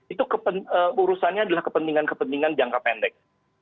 itu urusannya adalah kepentingan kepentingan jangka pendek